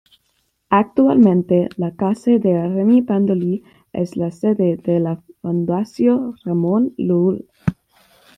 Actualmente, la Casa de Areny-Plandolit es la sede de la Fundació Ramon Llull